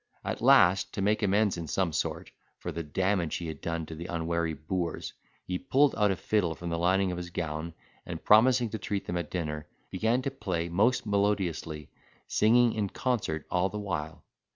At last, to make amends in some sort, for the damage he had done to the unwary boors, he pulled out a fiddle from the lining of his gown, and, promising to treat them at dinner, began to play most melodiously, singing in concert all the while.